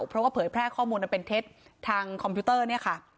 เพราะว่าเผยแพร่ข้อมูลอันเป็นเท็จทางคอมพิวเตอร์เนี่ยค่ะ